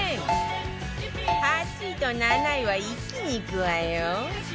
８位と７位は一気にいくわよ